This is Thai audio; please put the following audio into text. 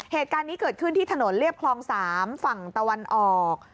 เหตุการณ์นี้เกิดขึ้นที่ถนนเรียบคลอง๓ฝั่งตะวันออก